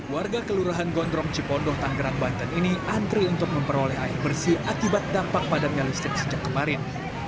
warga kelurahan gondrong cipondoh tanggerang banten ini antri untuk memperoleh air bersih akibat dampak padamnya listrik sejak kemarin